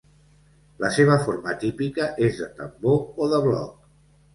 La seva forma típica és de tambor o de bloc.